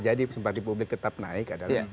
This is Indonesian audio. jadi sempat di publik tetap naik